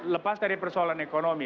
lepas dari persoalan ekonomi